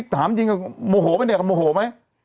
ถามจริงโมโหปะเนี่ยก็โมโหไหม